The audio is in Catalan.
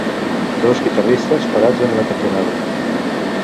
Dos guitarristes parats en una cantonada.